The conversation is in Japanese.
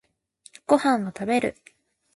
ご飯を食べる。